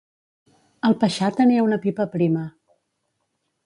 El paixà tenia una pipa prima